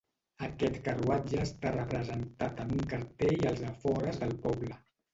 Aquest carruatge està representat en un cartell als afores del poble.